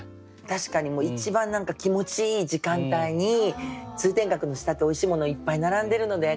確かに一番何か気持ちいい時間帯に通天閣の下っておいしいものいっぱい並んでるので関西の名物が。